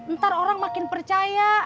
ntar orang makin percaya